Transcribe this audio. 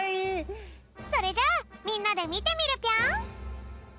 それじゃあみんなでみてみるぴょん。